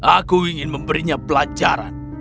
aku ingin memberinya pelajaran